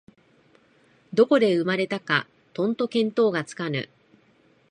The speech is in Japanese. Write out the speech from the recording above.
どこで生まれたかとんと見当がつかぬ